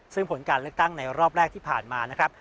ซึ่งผลการเลือกตั้งในรอบแรกที่ผ่านมานะครับ